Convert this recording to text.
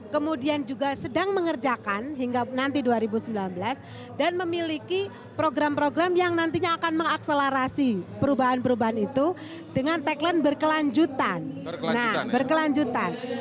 kemudian juga sedang mengerjakan hingga nanti dua ribu sembilan belas dan memiliki program program yang nantinya akan mengakselerasi perubahan perubahan itu dengan tagline berkelanjutan